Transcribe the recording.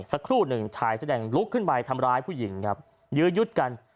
สักครู่หนึ่งชายเสื้อแดงลุกขึ้นไปทำร้ายผู้หญิงครับยื้อยุดกัน